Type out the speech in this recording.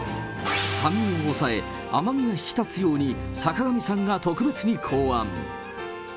酸味を抑え、甘みが引き立つように、坂上さんが特別に考案。